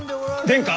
・殿下！